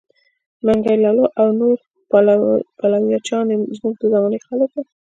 منګی لالو او نور پایلوچان زموږ د زمانې خلک وه.